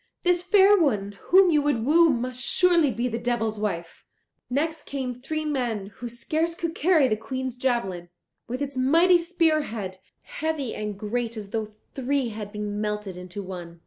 this fair one whom you would woo must surely be the devil's wife. "Next came three men who scarce could carry the Queen's javelin, with its mighty spear head, heavy and great as though three had been melted into one.